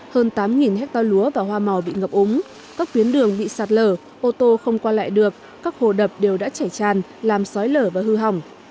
hơn tám hectare lúa và hoa màu bị ngập úng các tuyến đường bị sạt lở ô tô không qua lại được các hồ đập đều đã chảy tràn làm xói lở và hư hỏng